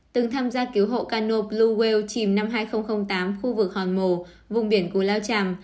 từng tham gia cứu hộ cano blue whale chìm năm hai nghìn tám khu vực hòn mồ vùng biển của lao tràm